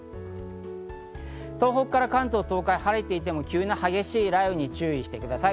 東北から関東、東海、晴れていても急な激しい雷雨に注意してください。